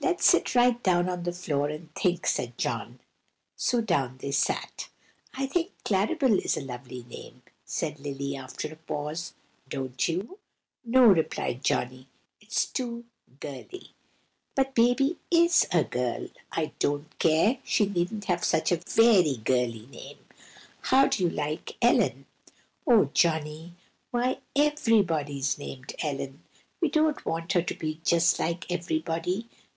"Let's sit right down on the floor and think!" said John. So down they sat. "I think Claribel is a lovely name!" said Lily, after a pause. "Don't you?" "No!" replied Johnny, "it's too girly." "But baby is a girl!" "I don't care. She needn't have such a very girly name. How do you like Ellen?" "Oh, Johnny! why, everybody's named Ellen. We don't want her to be just like everybody.